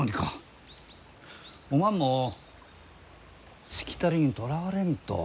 おまんもしきたりにとらわれんと。